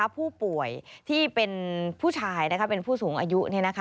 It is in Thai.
ผู้ป่วยที่เป็นผู้ชายเป็นผู้สูงอายุ